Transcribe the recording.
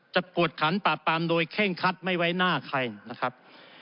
จะปวดขันปากปามโดยเข้งคัดไม่ไว้หน้าใครนะครับ